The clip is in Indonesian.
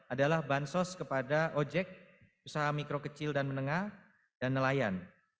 adalah bansos kepada ojek usaha mikro kecil dan menengah dan nelayan